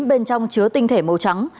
bên trong chứa tinh thể màu trắng